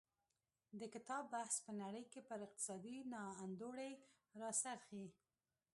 د کتاب بحث په نړۍ کې پر اقتصادي نا انډولۍ راڅرخي.